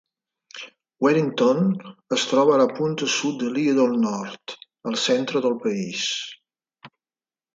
Wellington es troba a la punta sud de l'illa del Nord, al centre del país.